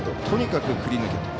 とにかく振り抜け。